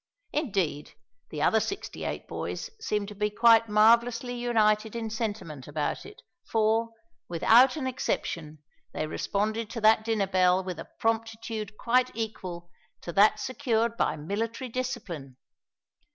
Indeed the other sixty eight boys seemed to be marvellously united in sentiment about it, for, without an exception, they responded to that dinner bell with a promptitude quite equal to that secured by military discipline!